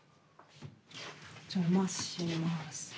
お邪魔します。